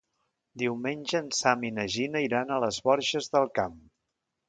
Diumenge en Sam i na Gina iran a les Borges del Camp.